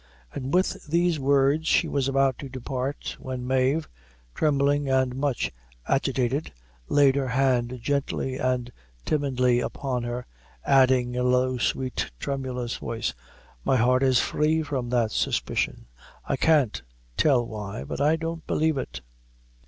And with these words she was about to depart, when Mave, trembling and much agitated, laid her hand gently and timidly upon her, adding, in a low, sweet, tremulous voice, "My heart is free from that suspicion I can't tell why but I don't believe it."